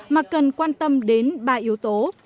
mà cần quan tâm đến ba yếu tố